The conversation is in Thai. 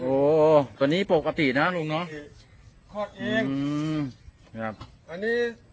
โอ้ตัวนี้ปกติน่ะลูกเนอะคอดเองอืมฮืออันนี้